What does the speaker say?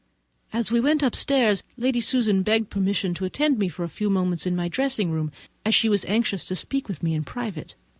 As we went upstairs Lady Susan begged permission to attend me for a few moments in my dressing room, as she was anxious to speak with me in private.